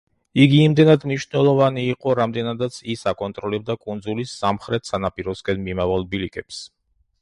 იგი იმდენად მნიშვნელოვანი იყო, რამდენადაც ის აკონტროლებდა კუნძულის სამხრეთ სანაპიროსკენ მიმავალ ბილიკებს.